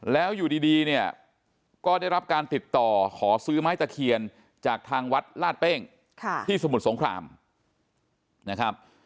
แล้วอยู่ดีเนี่ยก็ได้รับการติดต่อขอซื้อไม้ตะเคียนจากทางวัดลาดเป้งที่สมุทรสงครามนะครับ